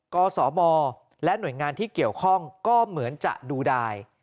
กศมและหน่วยงานที่เกี่ยวข้องก็เหมือนจะดูได้